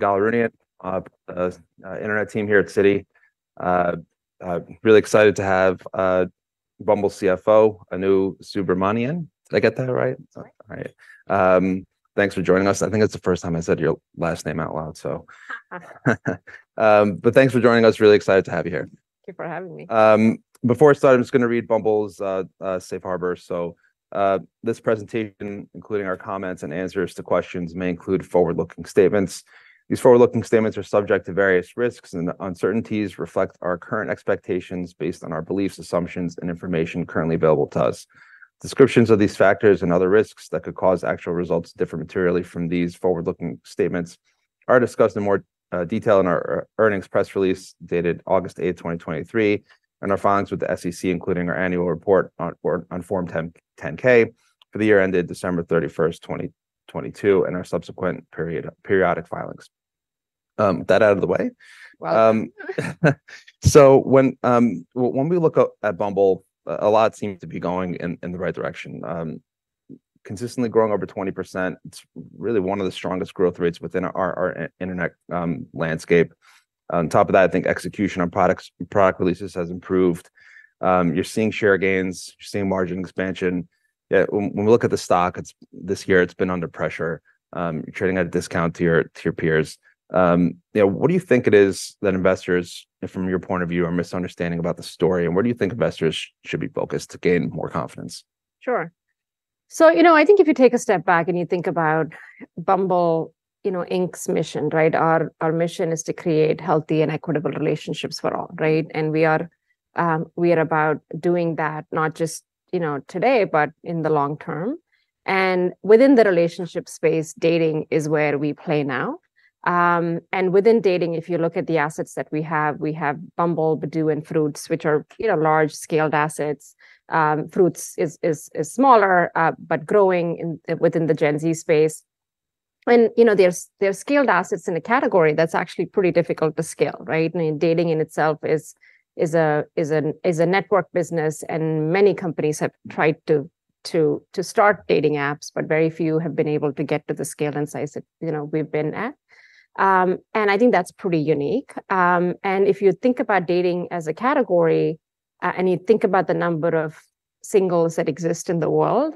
Ygal Arounian, Internet team here at Citi. Really excited to have Bumble CFO Anu Subramanian. Did I get that right? Right. All right. Thanks for joining us. I think it's the first time I said your last name out loud, so. But thanks for joining us. Really excited to have you here. Thank you for having me. Before I start, I'm just gonna read Bumble's safe harbor. So, this presentation, including our comments and answers to questions, may include forward-looking statements. These forward-looking statements are subject to various risks, and the uncertainties reflect our current expectations based on our beliefs, assumptions, and information currently available to us. Descriptions of these factors and other risks that could cause actual results to differ materially from these forward-looking statements are discussed in more detail in our earnings press release dated August 8th, 2023, and our filings with the SEC, including our annual report on Form 10-K for the year ended December 31st, 2022, and our subsequent periodic filings. That out of the way? Well. So when we look up at Bumble, a lot seems to be going in the right direction. Consistently growing over 20%, it's really one of the strongest growth rates within our internet landscape. On top of that, I think execution on products, product releases has improved. You're seeing share gains, you're seeing margin expansion. Yet when we look at the stock, it's this year, it's been under pressure, you're trading at a discount to your peers. You know, what do you think it is that investors, from your point of view, are misunderstanding about the story, and what do you think investors should be focused to gain more confidence? Sure. So, you know, I think if you take a step back and you think about Bumble, you know, Inc's mission, right? Our mission is to create healthy and equitable relationships for all, right? And we are about doing that, not just, you know, today, but in the long term. And within the relationship space, dating is where we play now. And within dating, if you look at the assets that we have, we have Bumble, Badoo, and Fruitz, which are, you know, large-scaled assets. Fruitz is smaller, but growing within the Gen Z space. And, you know, they're scaled assets in a category that's actually pretty difficult to scale, right? I mean, dating in itself is a network business, and many companies have tried to start dating apps, but very few have been able to get to the scale and size that, you know, we've been at. And I think that's pretty unique. And if you think about dating as a category, and you think about the number of singles that exist in the world,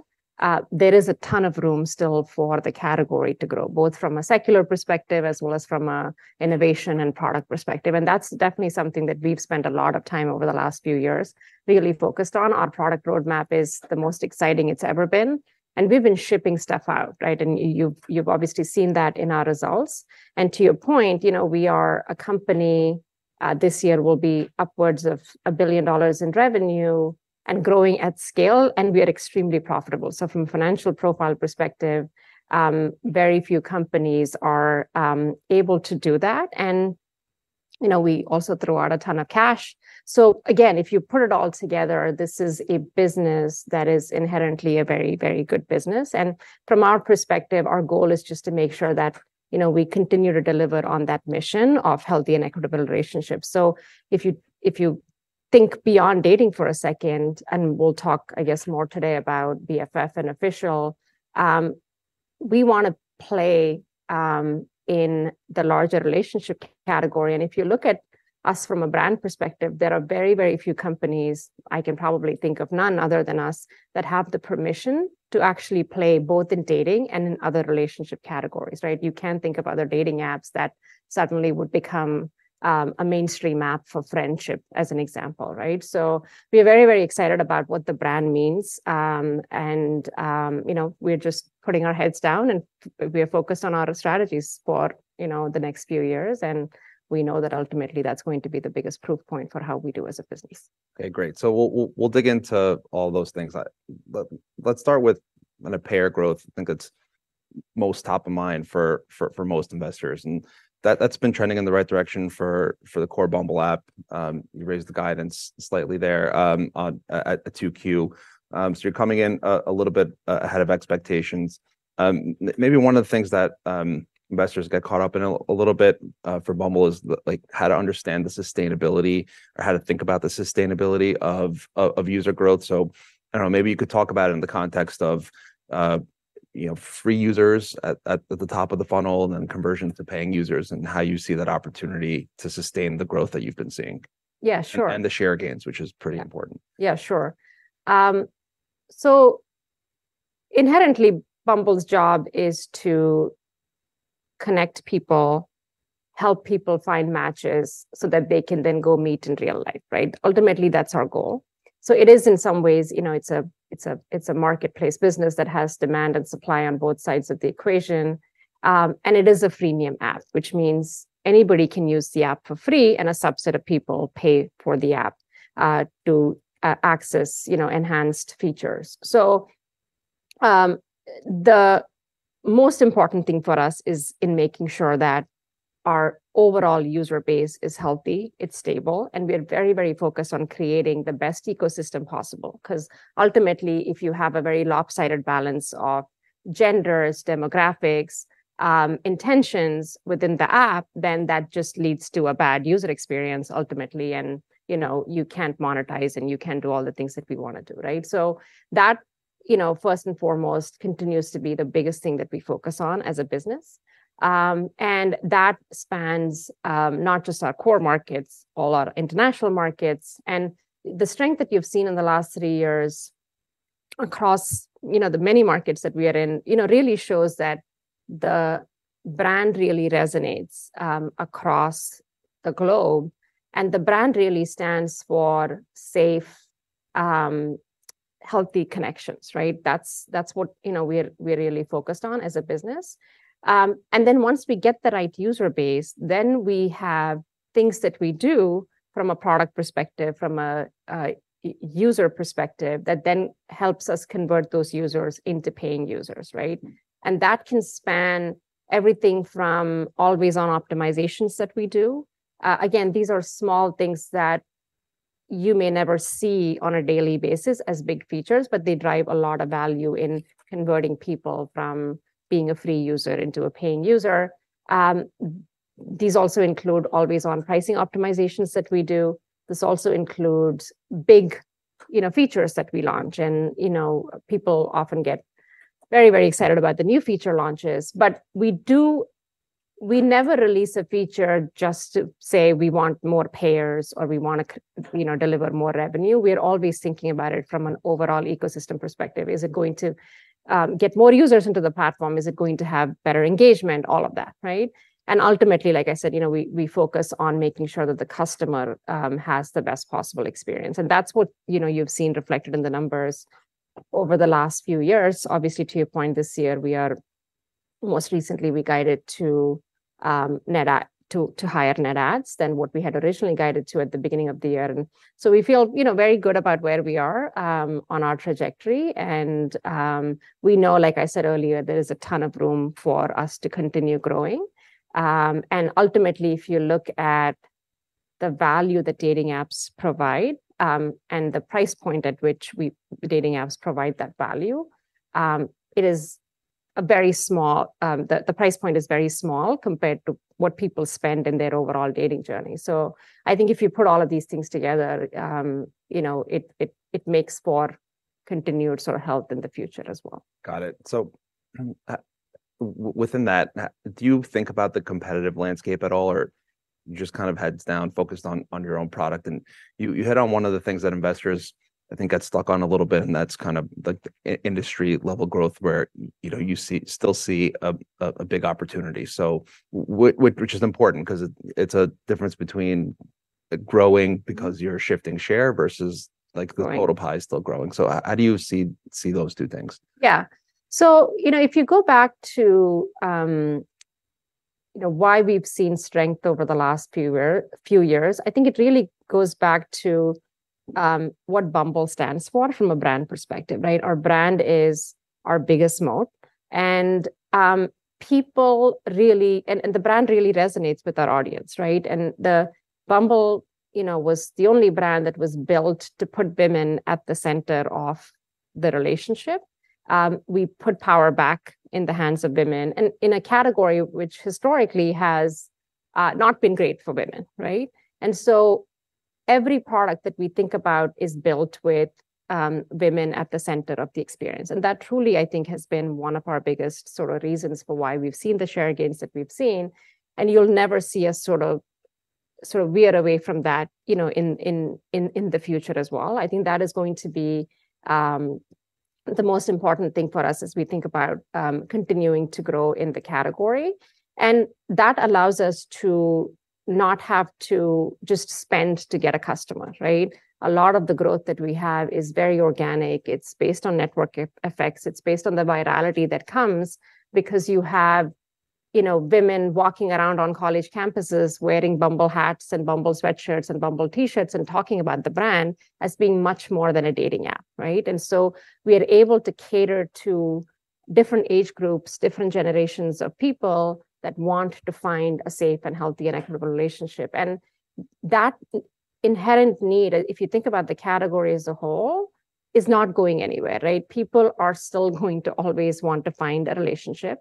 there is a ton of room still for the category to grow, both from a secular perspective as well as from a innovation and product perspective. And that's definitely something that we've spent a lot of time over the last few years, really focused on. Our product roadmap is the most exciting it's ever been, and we've been shipping stuff out, right? And you've obviously seen that in our results. To your point, you know, we are a company, this year will be upwards of $1 billion in revenue and growing at scale, and we are extremely profitable. From a financial profile perspective, very few companies are able to do that. You know, we also throw out a ton of cash. Again, if you put it all together, this is a business that is inherently a very, very good business. From our perspective, our goal is just to make sure that, you know, we continue to deliver on that mission of healthy and equitable relationships. If you think beyond dating for a second, and we'll talk, I guess, more today about BFF and Official, we want to play in the larger relationship category. If you look at us from a brand perspective, there are very, very few companies, I can probably think of none other than us, that have the permission to actually play both in dating and in other relationship categories, right? You can think of other dating apps that suddenly would become a mainstream app for friendship, as an example, right? So we are very, very excited about what the brand means. And you know, we're just putting our heads down, and we are focused on our strategies for, you know, the next few years, and we know that ultimately that's going to be the biggest proof point for how we do as a business. Okay, great. So we'll dig into all those things. But let's start with payer growth. I think it's top of mind for most investors, and that's been trending in the right direction for the core Bumble app. You raised the guidance slightly there in 2Q. So you're coming in a little bit ahead of expectations. Maybe one of the things that investors get caught up in a little bit for Bumble is, like, how to understand the sustainability or how to think about the sustainability of user growth. I don't know, maybe you could talk about it in the context of, you know, free users at the top of the funnel, and then conversion to paying users, and how you see that opportunity to sustain the growth that you've been seeing. Yeah, sure. The share gains, which is pretty important. Yeah, sure. So inherently, Bumble's job is to connect people, help people find matches so that they can then go meet in real life, right? Ultimately, that's our goal. So it is in some ways, you know, it's a, it's a, it's a marketplace business that has demand and supply on both sides of the equation. And it is a freemium app, which means anybody can use the app for free, and a subset of people pay for the app, to access, you know, enhanced features. So, the most important thing for us is in making sure that our overall user base is healthy, it's stable, and we are very, very focused on creating the best ecosystem possible. 'Cause ultimately, if you have a very lopsided balance of genders, demographics, intentions within the app, then that just leads to a bad user experience ultimately, and, you know, you can't monetize, and you can't do all the things that we wanna do, right? So that you know, first and foremost, continues to be the biggest thing that we focus on as a business. And that spans, not just our core markets, all our international markets. And the strength that you've seen in the last three years across, you know, the many markets that we are in, you know, really shows that the brand really resonates across the globe, and the brand really stands for safe, healthy connections, right? That's, that's what, you know, we're, we're really focused on as a business. And then once we get the right user base, then we have things that we do from a product perspective, from a user perspective, that then helps us convert those users into paying users, right? And that can span everything from always-on optimizations that we do. Again, these are small things that you may never see on a daily basis as big features, but they drive a lot of value in converting people from being a free user into a paying user. These also include always-on pricing optimizations that we do. This also includes big, you know, features that we launch. And, you know, people often get very, very excited about the new feature launches, but we never release a feature just to say we want more payers or we wanna you know, deliver more revenue. We are always thinking about it from an overall ecosystem perspective. Is it going to get more users into the platform? Is it going to have better engagement? All of that, right? And ultimately, like I said, you know, we focus on making sure that the customer has the best possible experience, and that's what, you know, you've seen reflected in the numbers over the last few years. Obviously, to your point, this year, most recently, we guided to higher net adds than what we had originally guided to at the beginning of the year. And so we feel, you know, very good about where we are on our trajectory. And we know, like I said earlier, there is a ton of room for us to continue growing. Ultimately, if you look at the value that dating apps provide, and the price point at which we, dating apps provide that value, it is a very small, the price point is very small compared to what people spend in their overall dating journey. So I think if you put all of these things together, you know, it makes for continued sort of health in the future as well. Got it. So, within that, do you think about the competitive landscape at all, or you just kind of heads down, focused on your own product? And you hit on one of the things that investors, I think, get stuck on a little bit, and that's kind of like the industry-level growth where, you know, you see, still see a big opportunity. So which is important, 'cause it, it's a difference between growing because you're shifting share versus, like- Right... the total pie is still growing. So how do you see, see those two things? Yeah. So, you know, if you go back to, you know, why we've seen strength over the last few years, I think it really goes back to what Bumble stands for from a brand perspective, right? Our brand is our biggest moat, and, people really... and, and the brand really resonates with our audience, right? And the Bumble, you know, was the only brand that was built to put women at the center of the relationship. We put power back in the hands of women, and in a category which historically has not been great for women, right? And so every product that we think about is built with women at the center of the experience, and that truly, I think, has been one of our biggest sort of reasons for why we've seen the share gains that we've seen. And you'll never see us sort of, sort of veer away from that, you know, in the future as well. I think that is going to be the most important thing for us as we think about continuing to grow in the category. And that allows us to not have to just spend to get a customer, right? A lot of the growth that we have is very organic. It's based on network effects, it's based on the virality that comes because you have, you know, women walking around on college campuses wearing Bumble hats and Bumble sweatshirts and Bumble t-shirts, and talking about the brand as being much more than a dating app, right? And so we are able to cater to different age groups, different generations of people that want to find a safe and healthy, and equitable relationship. That inherent need, if you think about the category as a whole, is not going anywhere, right? People are still going to always want to find a relationship.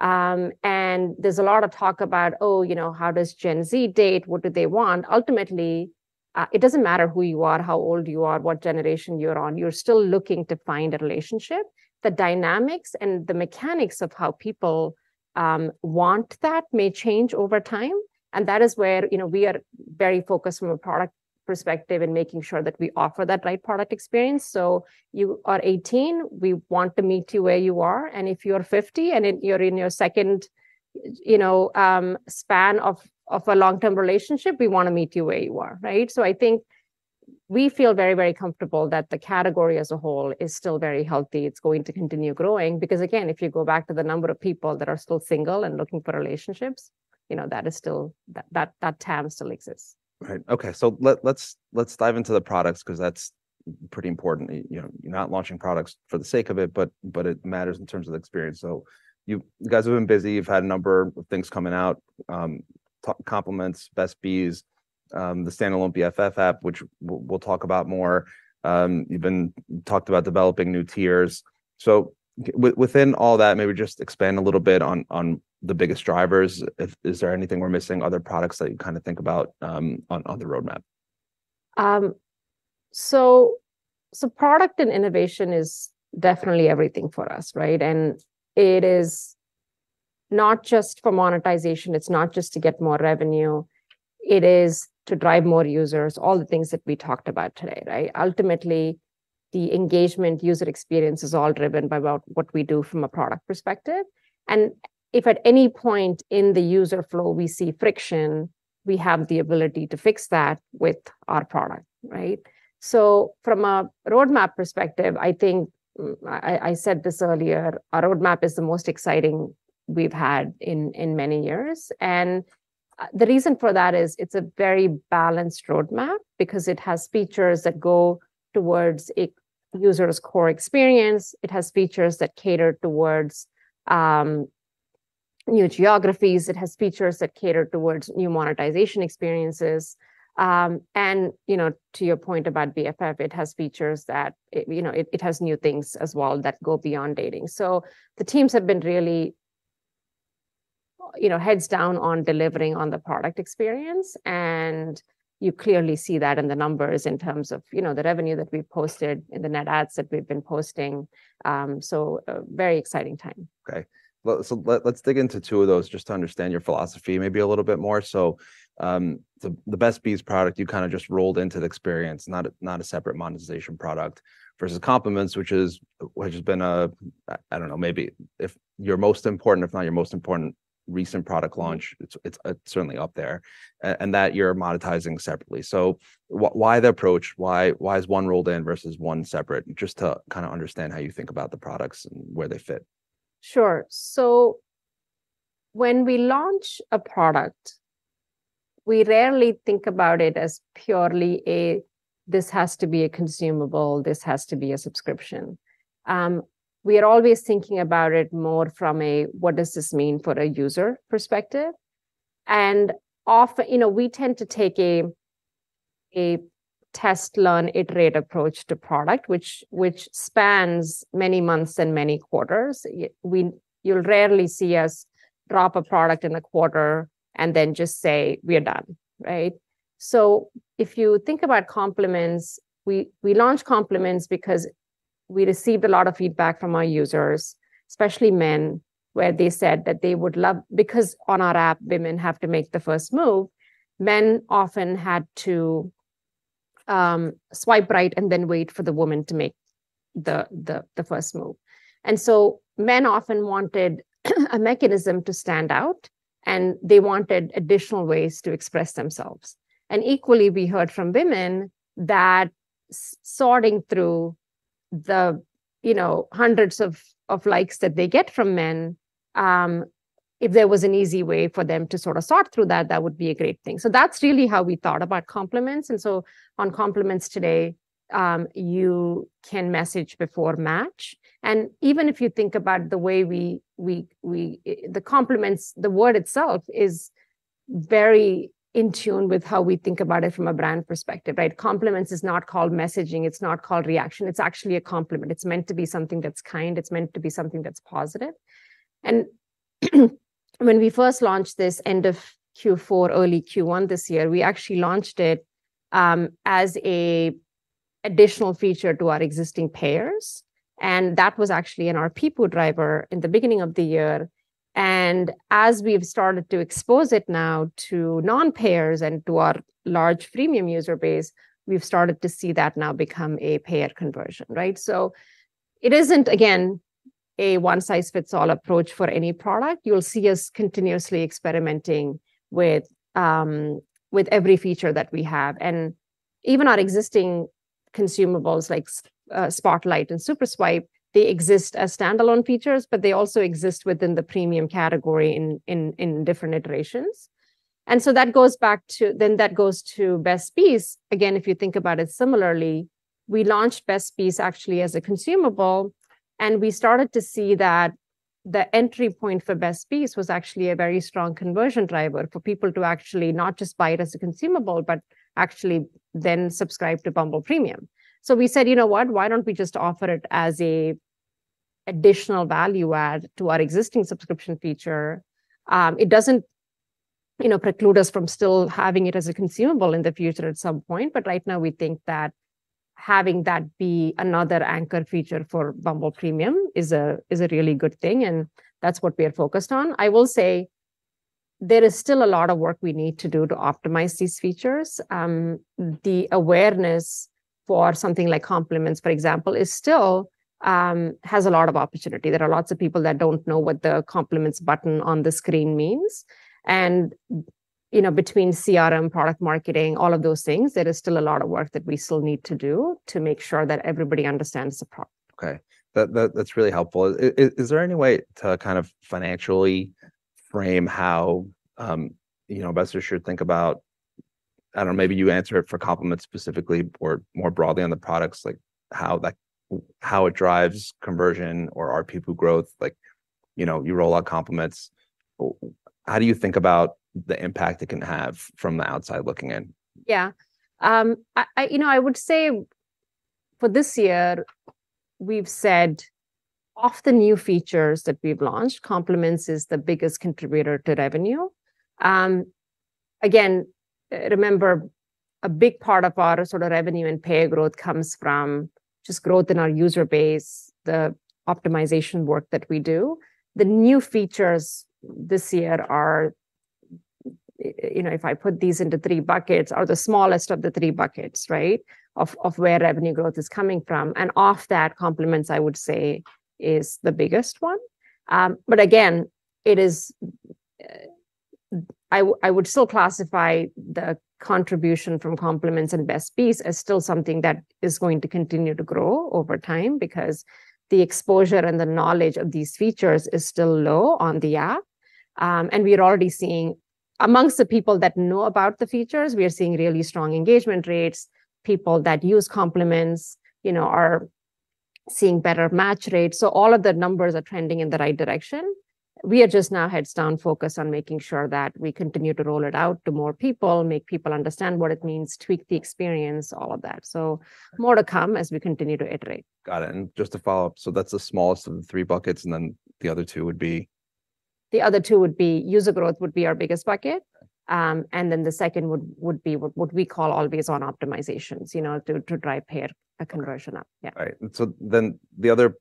And there's a lot of talk about, oh, you know, how does Gen Z date? What do they want? Ultimately, it doesn't matter who you are, how old you are, what generation you're on, you're still looking to find a relationship. The dynamics and the mechanics of how people want that may change over time, and that is where, you know, we are very focused from a product perspective in making sure that we offer that right product experience. So you are 18, we want to meet you where you are, and if you're 50 and you're in your second, you know, span of a long-term relationship, we wanna meet you where you are, right? I think we feel very, very comfortable that the category as a whole is still very healthy. It's going to continue growing, because, again, if you go back to the number of people that are still single and looking for relationships, you know, that is still... that, that tab still exists. Right. Okay, so let's dive into the products, 'cause that's pretty important. You know, you're not launching products for the sake of it, but it matters in terms of the experience. So you guys have been busy. You've had a number of things coming out, talk Compliments, Best Bees, the standalone BFF app, which we'll talk about more. You've talked about developing new tiers. So within all that, maybe just expand a little bit on the biggest drivers. Is there anything we're missing, other products that you kind of think about, on the roadmap? So, product and innovation is definitely everything for us, right? And it is not just for monetization, it's not just to get more revenue, it is to drive more users, all the things that we talked about today, right? Ultimately, the engagement user experience is all driven by what we do from a product perspective. And if at any point in the user flow we see friction, we have the ability to fix that with our product, right? So from a roadmap perspective, I think, I said this earlier, our roadmap is the most exciting we've had in many years. And, the reason for that is it's a very balanced roadmap because it has features that go towards a user's core experience. It has features that cater towards new geographies. It has features that cater towards new monetization experiences. You know, to your point about BFF, it has features that, you know, it has new things as well that go beyond dating. So the teams have been really, you know, heads down on delivering on the product experience, and you clearly see that in the numbers in terms of, you know, the revenue that we've posted and the Net Adds that we've been posting. So a very exciting time. Okay. Well, so let's dig into two of those just to understand your philosophy maybe a little bit more. So, the Best Bees product, you kind of just rolled into the experience, not a separate monetization product, versus Compliments, which has been a, I don't know, maybe if your most important, if not your most important recent product launch, it's certainly up there, and that you're monetizing separately. So why the approach? Why, why is one rolled in versus one separate? Just to kind of understand how you think about the products and where they fit. Sure. So when we launch a product, we rarely think about it as purely a, "This has to be a consumable, this has to be a subscription." We are always thinking about it more from a, "What does this mean for a user perspective?" And often, you know, we tend to take a test, learn, iterate approach to product, which spans many months and many quarters. Yeah, you'll rarely see us drop a product in a quarter and then just say, "We are done," right? So if you think about Compliments, we launched Compliments because we received a lot of feedback from our users, especially men, where they said that they would love... Because on our app, women have to make the first move, men often had to swipe right and then wait for the woman to make the first move. Men often wanted a mechanism to stand out, and they wanted additional ways to express themselves. Equally, we heard from women that sorting through the, you know, hundreds of likes that they get from men, if there was an easy way for them to sort of sort through that, that would be a great thing. That's really how we thought about Compliments. On Compliments today, you can message before match. Even if you think about the way we... The Compliments, the word itself is very in tune with how we think about it from a brand perspective, right? Compliments is not called messaging, it's not called reaction, it's actually a compliment. It's meant to be something that's kind, it's meant to be something that's positive. When we first launched this end of Q4, early Q1 this year, we actually launched it as an additional feature to our existing payers, and that was actually in our PPO driver in the beginning of the year. As we've started to expose it now to non-payers and to our large freemium user base, we've started to see that now become a payer conversion, right? So it isn't, again, a one-size-fits-all approach for any product. You'll see us continuously experimenting with every feature that we have. Even our existing consumables, like Spotlight and SuperSwipe, they exist as standalone features, but they also exist within the premium category in different iterations. And so that goes back to... Then that goes to Best Bees. Again, if you think about it similarly, we launched Best Bees actually as a consumable, and we started to see that the entry point for Best Bees was actually a very strong conversion driver for people to actually not just buy it as a consumable, but actually then subscribe to Bumble Premium. So we said, "You know what? Why don't we just offer it as a additional value add to our existing subscription feature?" It doesn't, you know, preclude us from still having it as a consumable in the future at some point, but right now we think that having that be another anchor feature for Bumble Premium is a, is a really good thing, and that's what we are focused on. I will say, there is still a lot of work we need to do to optimize these features. The awareness for something like Compliments, for example, is still has a lot of opportunity. There are lots of people that don't know what the Compliments button on the screen means. You know, between CRM, product marketing, all of those things, there is still a lot of work that we still need to do to make sure that everybody understands the product. Okay. That's really helpful. Is there any way to kind of financially frame how, you know, investors should think about... I don't know, maybe you answer it for Compliments specifically or more broadly on the products, like how, how it drives conversion or ARPPU growth, like, you know, you roll out Compliments, how do you think about the impact it can have from the outside looking in? Yeah. You know, I would say for this year, we've said of the new features that we've launched, Compliments is the biggest contributor to revenue. Again, remember, a big part of our sort of revenue and payer growth comes from just growth in our user base, the optimization work that we do. The new features this year are, you know, if I put these into three buckets, are the smallest of the three buckets, right? Of where revenue growth is coming from. And of that, Compliments, I would say, is the biggest one. But again, it is, I would still classify the contribution from Compliments and Best Bees as still something that is going to continue to grow over time, because the exposure and the knowledge of these features is still low on the app. and we are already seeing, amongst the people that know about the features, we are seeing really strong engagement rates. People that use Compliments, you know, are seeing better match rates, so all of the numbers are trending in the right direction. We are just now heads down, focused on making sure that we continue to roll it out to more people, make people understand what it means, tweak the experience, all of that. So more to come as we continue to iterate. Got it. And just to follow up, so that's the smallest of the three buckets, and then the other two would be? The other two would be user growth would be our biggest bucket. And then the second would be what we call always-on optimizations, you know, to drive payer or conversion up. Yeah. Right. So then the other...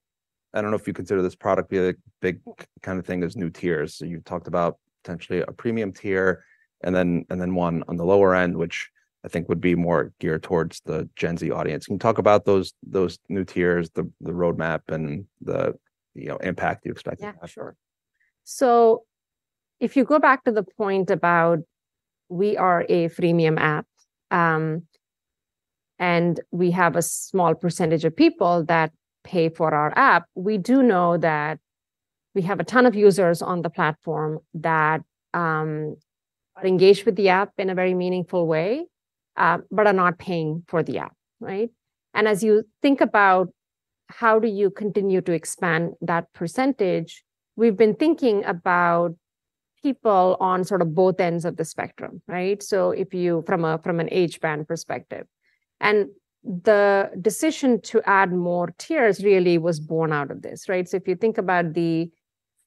I don't know if you consider this product be a big kind of thing, is new tiers. So you've talked about potentially a premium tier, and then, and then one on the lower end, which I think would be more geared towards the Gen Z audience. Can you talk about those, those new tiers, the, the roadmap and the, you know, impact you expect? Yeah, sure. So if you go back to the point about we are a Freemium app, and we have a small percentage of people that pay for our app, we do know that we have a ton of users on the platform that are engaged with the app in a very meaningful way, but are not paying for the app, right? And as you think about how do you continue to expand that percentage, we've been thinking about people on sort of both ends of the spectrum, right? So if you from an age band perspective, and the decision to add more tiers really was born out of this, right? So if you think about the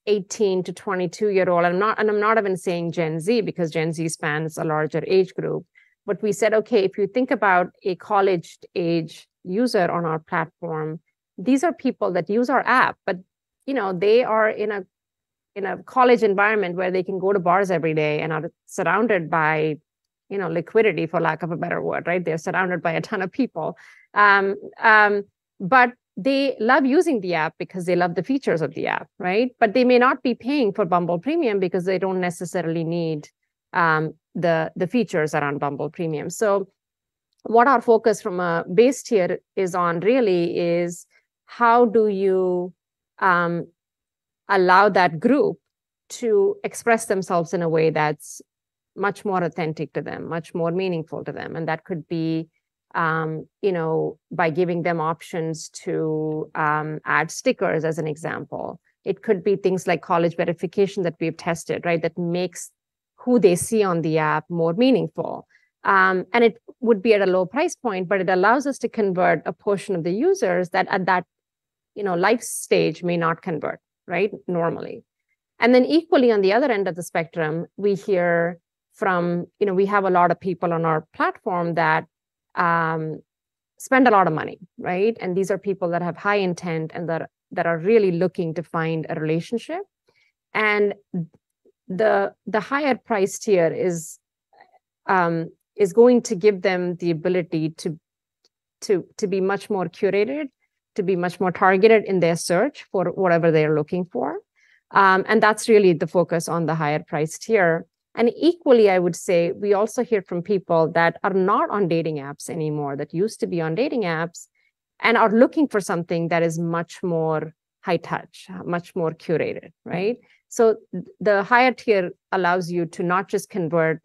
18- to 22-year-old, and I'm not even saying Gen Z, because Gen Z spans a larger age group. But we said, "Okay, if you think about a college-age user on our platform, these are people that use our app, but, you know, they are in a college environment where they can go to bars every day and are surrounded by, you know, liquidity, for lack of a better word," right? "They're surrounded by a ton of people. But they love using the app because they love the features of the app, right? But they may not be paying for Bumble Premium because they don't necessarily need the features that are on Bumble Premium." So what our focus from a base tier is on really is: how do you allow that group to express themselves in a way that's much more authentic to them, much more meaningful to them? And that could be, you know, by giving them options to add stickers, as an example. It could be things like college verification that we've tested, right? That makes who they see on the app more meaningful. And it would be at a lower price point, but it allows us to convert a portion of the users that at that, you know, life stage may not convert, right, normally. And then equally, on the other end of the spectrum, we hear from, you know, we have a lot of people on our platform that spend a lot of money, right? And these are people that have high intent and that, that are really looking to find a relationship. And the higher priced tier is going to give them the ability to be much more curated, to be much more targeted in their search for whatever they are looking for. And that's really the focus on the higher priced tier. And equally, I would say, we also hear from people that are not on dating apps anymore, that used to be on dating apps, and are looking for something that is much more high touch, much more curated, right? So the higher tier allows you to not just convert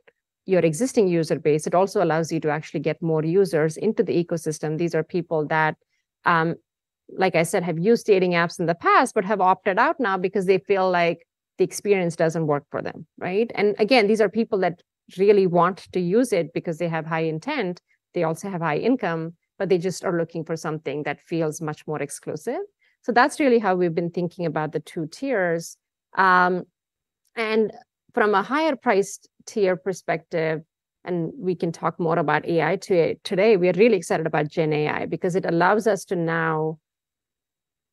your existing user base, it also allows you to actually get more users into the ecosystem. These are people that, like I said, have used dating apps in the past, but have opted out now because they feel like the experience doesn't work for them, right? Again, these are people that really want to use it because they have high intent, they also have high income, but they just are looking for something that feels much more exclusive. That's really how we've been thinking about the two tiers. From a higher priced tier perspective, we can talk more about AI today. We are really excited about GenAI, because it allows us to now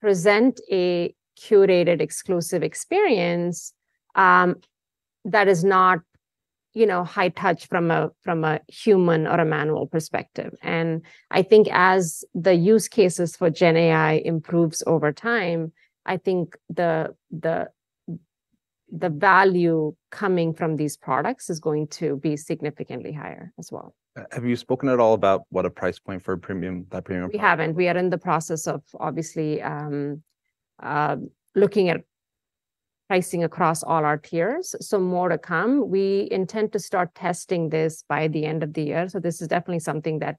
present a curated, exclusive experience that is not, you know, high touch from a human or a manual perspective. I think as the use cases for GenAI improves over time, I think the value coming from these products is going to be significantly higher as well. Have you spoken at all about what a price point for a premium, that premium- We haven't. We are in the process of, obviously, looking at pricing across all our tiers, so more to come. We intend to start testing this by the end of the year, so this is definitely something that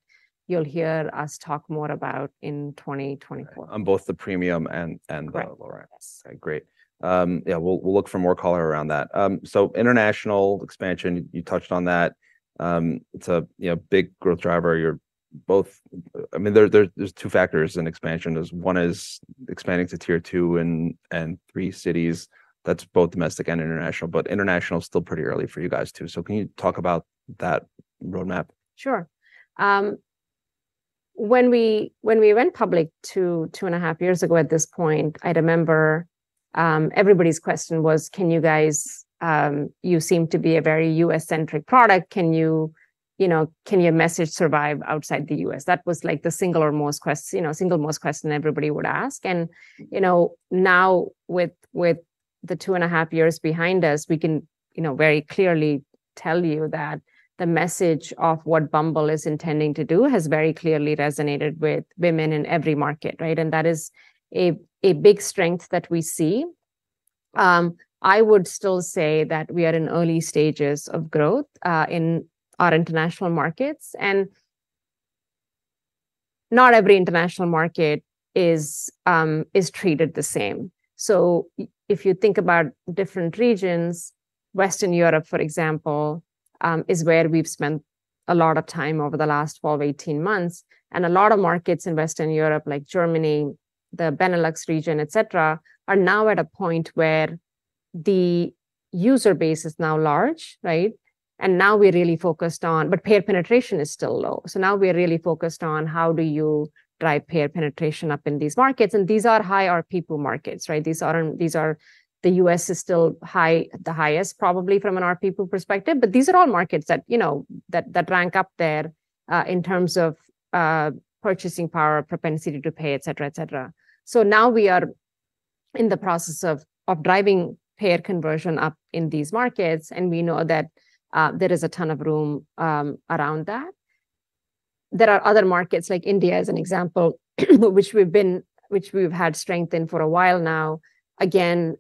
you'll hear us talk more about in 2024. On both the premium and the- Right. - lower end. Yes. Great. Yeah, we'll look for more color around that. So international expansion, you touched on that. It's a, you know, big growth driver, both. I mean, there, there's two factors in expansion. There's one is expanding to tier two and three cities, that's both domestic and international, but international is still pretty early for you guys, too. So can you talk about that roadmap? Sure. When we went public two and a half years ago, at this point, I remember, everybody's question was: "Can you guys, you seem to be a very U.S.-centric product. Can you, you know, can your message survive outside the U.S.?" That was, like, you know, the single most question everybody would ask. And, you know, now, with the two and a half years behind us, we can, you know, very clearly tell you that the message of what Bumble is intending to do has very clearly resonated with women in every market, right? And that is a big strength that we see. I would still say that we are in early stages of growth in our international markets, and not every international market is treated the same. So if you think about different regions, Western Europe, for example, is where we've spent a lot of time over the last 12, 18 months, and a lot of markets in Western Europe, like Germany, the Benelux region, et cetera, are now at a point where the user base is now large, right? And now we're really focused on... But paid penetration is still low. So now we are really focused on how do you drive paid penetration up in these markets, and these are high ARPPU markets, right? These aren't, these are the U.S. is still high, the highest, probably from an ARPPU perspective, but these are all markets that, you know, that rank up there, in terms of, purchasing power, propensity to pay, et cetera, et cetera. So now we are in the process of driving paid conversion up in these markets, and we know that there is a ton of room around that. There are other markets like India, as an example, which we've had strength in for a while now. Again,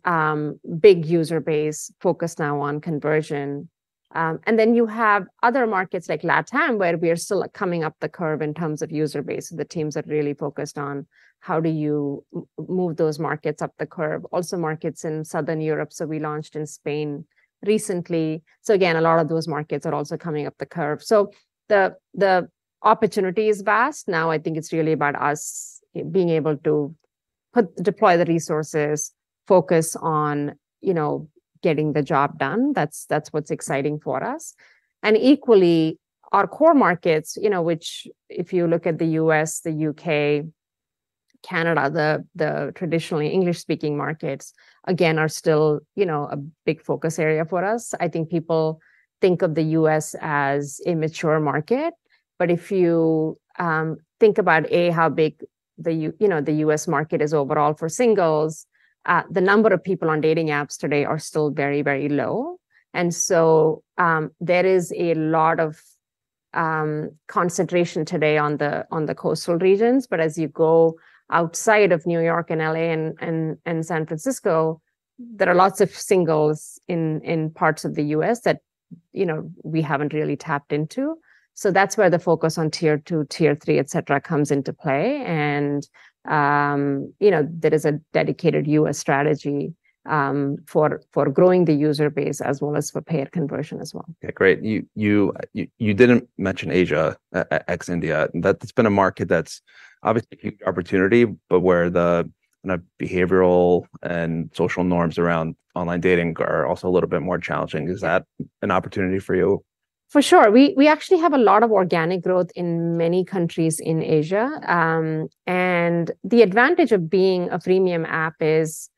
big user base focused now on conversion. And then you have other markets like LatAm, where we are still coming up the curve in terms of user base. The teams are really focused on how do you move those markets up the curve. Also, markets in Southern Europe, so we launched in Spain recently. So again, a lot of those markets are also coming up the curve. So the opportunity is vast. Now, I think it's really about us being able to deploy the resources, focus on, you know, getting the job done. That's, that's what's exciting for us. And equally, our core markets, you know, which if you look at the U.S., the U.K., Canada, the traditionally English-speaking markets, again, are still, you know, a big focus area for us. I think people think of the U.S. as a mature market, but if you think about how big the you know, the U.S. market is overall for singles, the number of people on dating apps today are still very, very low. And so, there is a lot of concentration today on the coastal regions, but as you go outside of New York and L.A. and San Francisco, there are lots of singles in parts of the U.S. that, you know, we haven't really tapped into. So that's where the focus on tier two, tier three, et cetera, comes into play. You know, there is a dedicated U.S. strategy for growing the user base as well as for paid conversion as well. Yeah, great. You didn't mention Asia, ex India. That's been a market that's obviously opportunity, but where the, kind of, behavioral and social norms around online dating are also a little bit more challenging. Is that an opportunity for you? For sure. We actually have a lot of organic growth in many countries in Asia. The advantage of being a freemium app is,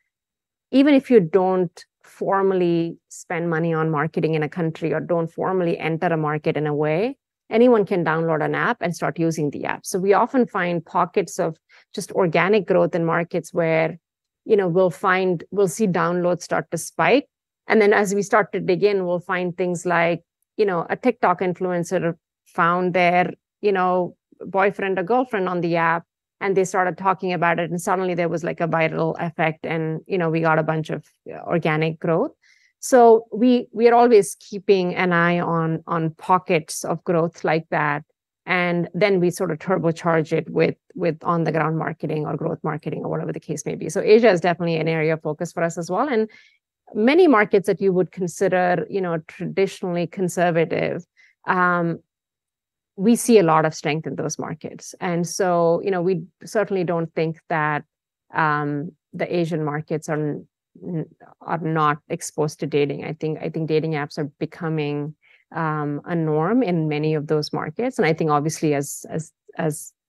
even if you don't formally spend money on marketing in a country or don't formally enter a market, in a way, anyone can download an app and start using the app. So we often find pockets of just organic growth in markets where, you know, we'll see downloads start to spike, and then as we start to dig in, we'll find things like, you know, a TikTok influencer found their, you know, boyfriend or girlfriend on the app, and they started talking about it, and suddenly there was, like, a viral effect and, you know, we got a bunch of organic growth. So we are always keeping an eye on pockets of growth like that, and then we sort of turbocharge it with on-the-ground marketing or growth marketing or whatever the case may be. So Asia is definitely an area of focus for us as well, and many markets that you would consider, you know, traditionally conservative, we see a lot of strength in those markets. And so, you know, we certainly don't think that the Asian markets are not exposed to dating. I think dating apps are becoming a norm in many of those markets, and I think obviously as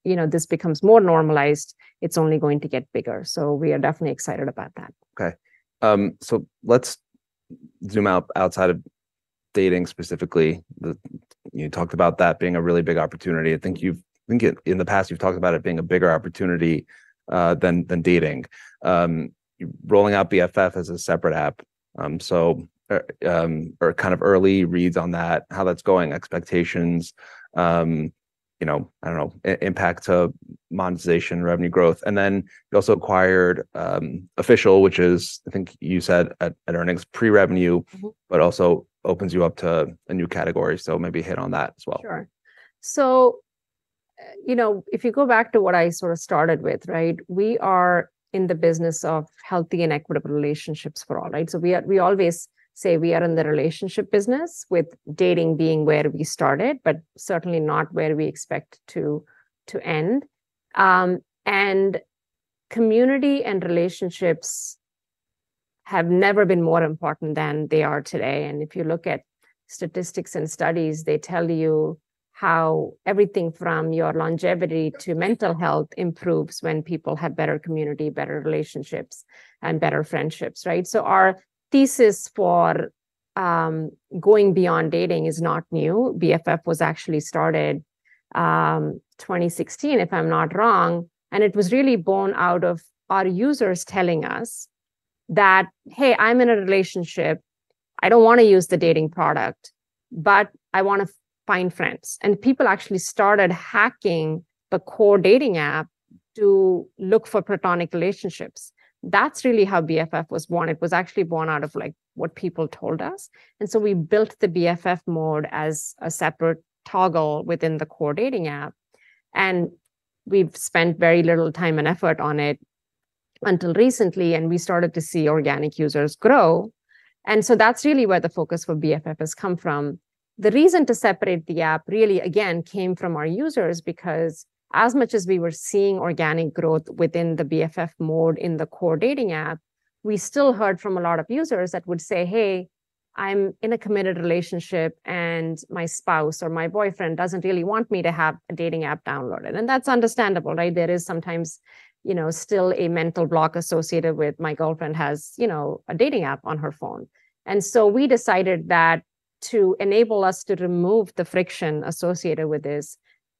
you know, this becomes more normalized, it's only going to get bigger. So we are definitely excited about that. Okay. So let's zoom out outside of dating specifically. You talked about that being a really big opportunity. I think in the past you've talked about it being a bigger opportunity than dating. Rolling out BFF as a separate app. So are kind of early reads on that, how that's going, expectations, you know, I don't know, impact to monetization, revenue growth. And then you also acquired Official, which is, I think you said at earnings, pre-revenue- Mm-hmm. But also opens you up to a new category. So maybe hit on that as well. Sure. So, you know, if you go back to what I sort of started with, right? We are in the business of healthy and equitable relationships for all, right? So we are. We always say we are in the relationship business, with dating being where we started, but certainly not where we expect to end. Community and relationships have never been more important than they are today. And if you look at statistics and studies, they tell you how everything from your longevity to mental health improves when people have better community, better relationships, and better friendships, right? So our thesis for going beyond dating is not new. BFF was actually started 2016, if I'm not wrong, and it was really born out of our users telling us that, "Hey, I'm in a relationship. I don't want to use the dating product, but I want to find friends." And people actually started hacking the core dating app to look for platonic relationships. That's really how BFF was born. It was actually born out of, like, what people told us, and so we built the BFF mode as a separate toggle within the core dating app, and we've spent very little time and effort on it until recently, and we started to see organic users grow. And so that's really where the focus for BFF has come from. The reason to separate the app really, again, came from our users, because as much as we were seeing organic growth within the BFF mode in the core dating app, we still heard from a lot of users that would say, "Hey, I'm in a committed relationship, and my spouse or my boyfriend doesn't really want me to have a dating app downloaded." And that's understandable, right? There is sometimes, you know, still a mental block associated with, "My girlfriend has, you know, a dating app on her phone." And so we decided that to enable us to remove the friction associated with this,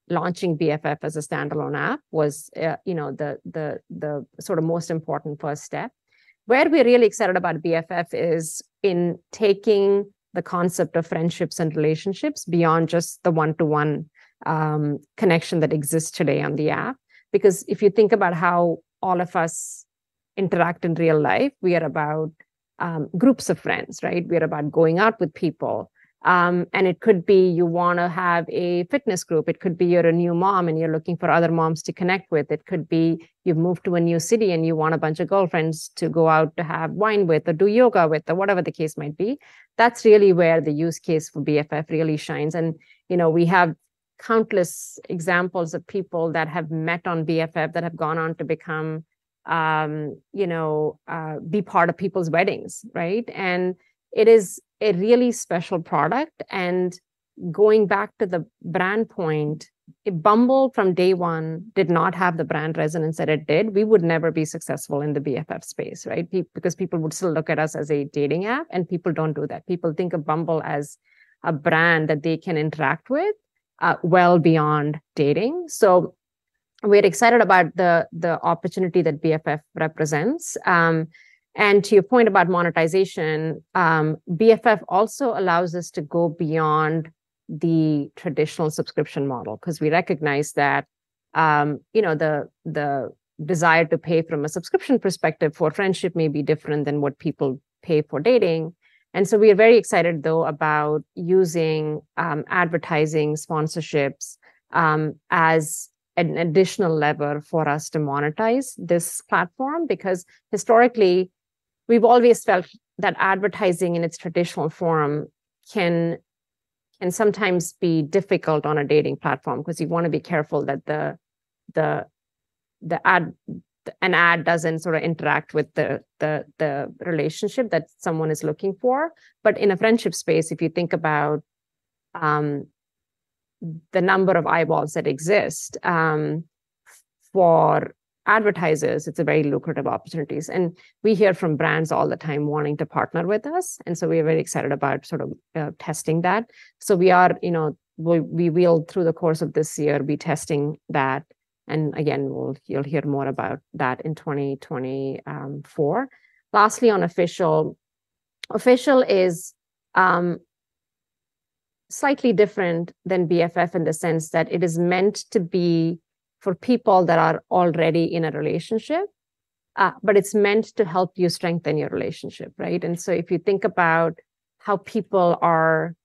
launching BFF as a standalone app was, you know, the sort of most important first step. Where we're really excited about BFF is in taking the concept of friendships and relationships beyond just the one-to-one connection that exists today on the app. Because if you think about how all of us interact in real life, we are about groups of friends, right? We are about going out with people. And it could be you want to have a fitness group, it could be you're a new mom, and you're looking for other moms to connect with. It could be you've moved to a new city, and you want a bunch of girlfriends to go out to have wine with, or do yoga with, or whatever the case might be. That's really where the use case for BFF really shines. And, you know, we have countless examples of people that have met on BFF that have gone on to become, you know, be part of people's weddings, right? And it is a really special product, and going back to the brand point, if Bumble from day one did not have the brand resonance that it did, we would never be successful in the BFF space, right? Because people would still look at us as a dating app, and people don't do that. People think of Bumble as a brand that they can interact with, well beyond dating. So we're excited about the opportunity that BFF represents. And to your point about monetization, BFF also allows us to go beyond the traditional subscription model, because we recognize that, you know, the desire to pay from a subscription perspective for friendship may be different than what people pay for dating. And so we are very excited, though, about using advertising, sponsorships, as an additional lever for us to monetize this platform. Because historically, we've always felt that advertising in its traditional form can sometimes be difficult on a dating platform, because you want to be careful that an ad doesn't sort of interact with the relationship that someone is looking for. But in a friendship space, if you think about the number of eyeballs that exist for advertisers, it's a very lucrative opportunities, and we hear from brands all the time wanting to partner with us, and so we are very excited about sort of testing that. So we are, you know, we will, through the course of this year, be testing that, and again, you'll hear more about that in 2024. Lastly, on Official. Official is slightly different than BFF in the sense that it is meant to be for people that are already in a relationship, but it's meant to help you strengthen your relationship, right? And so if you think about how people are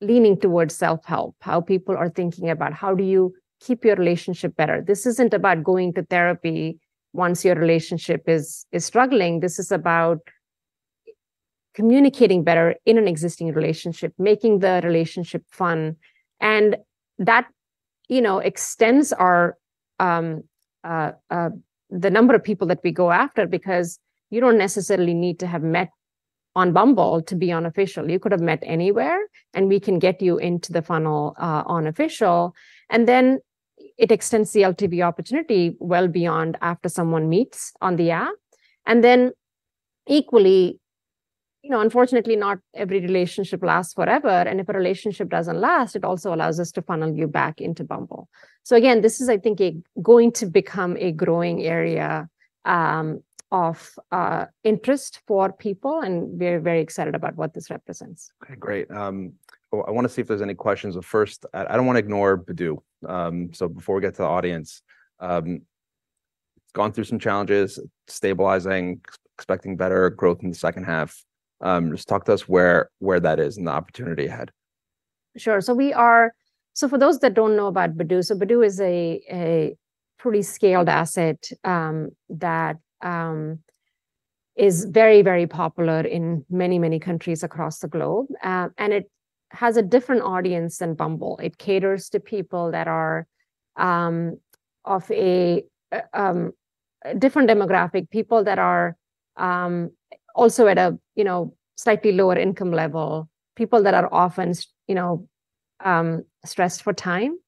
leaning towards self-help, how people are thinking about how do you keep your relationship better? This isn't about going to therapy once your relationship is struggling. This is about communicating better in an existing relationship, making the relationship fun. And that, you know, extends our the number of people that we go after, because you don't necessarily need to have met on Bumble to be on Official. You could have met anywhere, and we can get you into the funnel on Official, and then it extends the LTV opportunity well beyond after someone meets on the app. And then equally, you know, unfortunately, not every relationship lasts forever, and if a relationship doesn't last, it also allows us to funnel you back into Bumble. So again, this is, I think, going to become a growing area of interest for people, and we're very excited about what this represents. Okay, great. Well, I want to see if there's any questions. But first, I don't want to ignore Badoo. So before we get to the audience, gone through some challenges, stabilizing, expecting better growth in the second half. Just talk to us where that is in the opportunity ahead. Sure. So for those that don't know about Badoo, Badoo is a pretty scaled asset that is very, very popular in many, many countries across the globe. And it has a different audience than Bumble. It caters to people that are of a different demographic, people that are also at a you know, slightly lower income level, people that are often you know, stressed for time.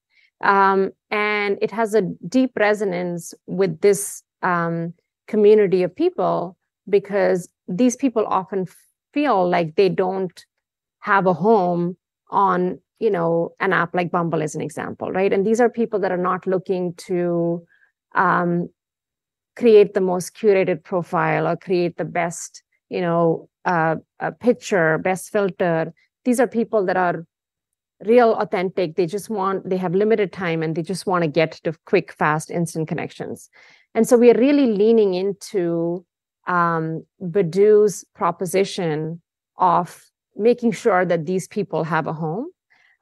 And it has a deep resonance with this community of people, because these people often feel like they don't have a home on you know, an app like Bumble as an example, right? And these are people that are not looking to create the most curated profile or create the best you know, picture, best filter. These are people that are real authentic. They just want... They have limited time, and they just wanna get the quick, fast, instant connections. And so we are really leaning into Badoo's proposition of making sure that these people have a home,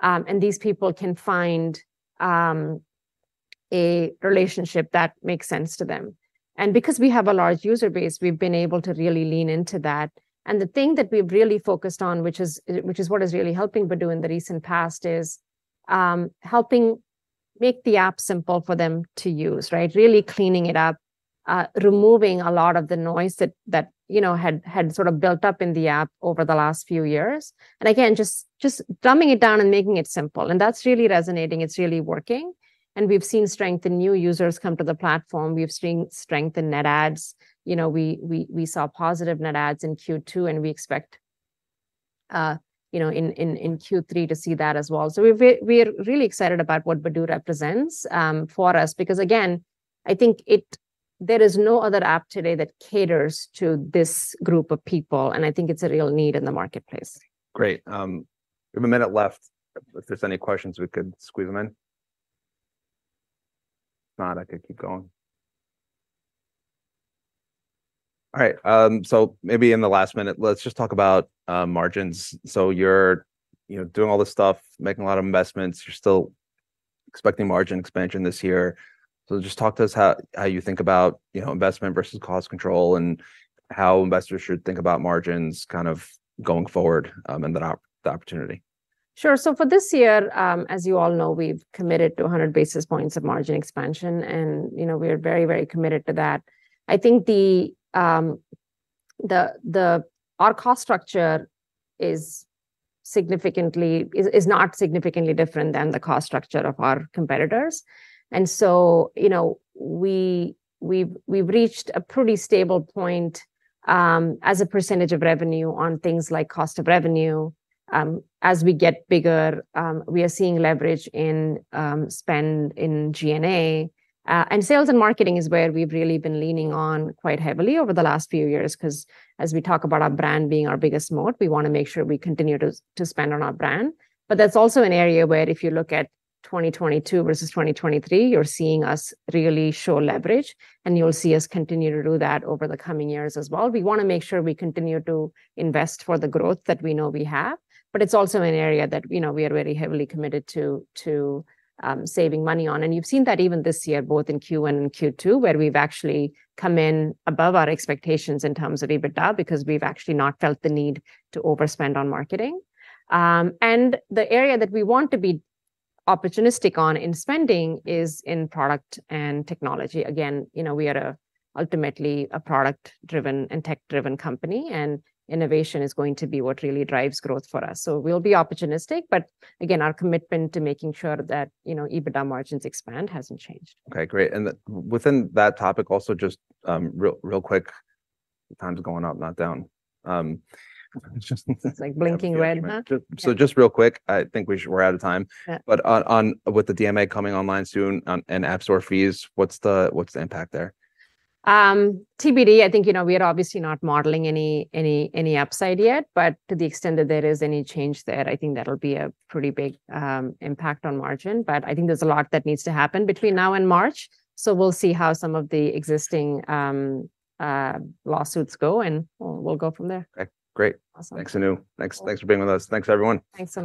and these people can find a relationship that makes sense to them. And because we have a large user base, we've been able to really lean into that. And the thing that we've really focused on, which is what is really helping Badoo in the recent past, is helping make the app simple for them to use, right? Really cleaning it up, removing a lot of the noise that you know had sort of built up in the app over the last few years. And again, just dumbing it down and making it simple, and that's really resonating, it's really working. We've seen strength in new users come to the platform. We've seen strength in net adds. You know, we saw positive net adds in Q2, and we expect, you know, in Q3 to see that as well. We're really excited about what Badoo represents, you know, for us. Because again, I think it—there is no other app today that caters to this group of people, and I think it's a real need in the marketplace. Great. We have a minute left. If there's any questions, we could squeeze them in. If not, I could keep going. All right, so maybe in the last minute, let's just talk about margins. So you're, you know, doing all this stuff, making a lot of investments. You're still expecting margin expansion this year. So just talk to us how you think about, you know, investment versus cost control, and how investors should think about margins kind of going forward, and the opportunity. Sure. So for this year, as you all know, we've committed to 100 basis points of margin expansion, and, you know, we are very, very committed to that. I think. Our cost structure is not significantly different than the cost structure of our competitors. And so, you know, we've reached a pretty stable point, as a percentage of revenue on things like cost of revenue. As we get bigger, we are seeing leverage in spend in G&A. And sales and marketing is where we've really been leaning on quite heavily over the last few years, 'cause as we talk about our brand being our biggest moat, we wanna make sure we continue to spend on our brand. But that's also an area where if you look at 2022 versus 2023, you're seeing us really show leverage, and you'll see us continue to do that over the coming years as well. We wanna make sure we continue to invest for the growth that we know we have, but it's also an area that, you know, we are very heavily committed to saving money on. And you've seen that even this year, both in Q1 and Q2, where we've actually come in above our expectations in terms of EBITDA, because we've actually not felt the need to overspend on marketing. And the area that we want to be opportunistic on in spending is in product and technology. Again, you know, we are a, ultimately, a product-driven and tech-driven company, and innovation is going to be what really drives growth for us. We'll be opportunistic, but again, our commitment to making sure that, you know, EBITDA margins expand hasn't changed. Okay, great. And within that topic, also, just, real, real quick, time's going up, not down. It's just- It's, like, blinking red, huh? Just real quick, I think we should, we're out of time. Yeah. But on with the DMA coming online soon, and App Store fees, what's the impact there? TBD, I think, you know, we are obviously not modeling any upside yet, but to the extent that there is any change there, I think that'll be a pretty big impact on margin. But I think there's a lot that needs to happen between now and March, so we'll see how some of the existing lawsuits go, and we'll go from there. Okay, great. Awesome. Thanks, Anu. Thanks, thanks for being with us. Thanks, everyone. Thanks.